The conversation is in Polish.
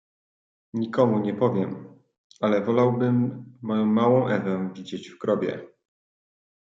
"Nikomu nie powiem, ale wolałbym, moją małą Ewę widzieć w grobie."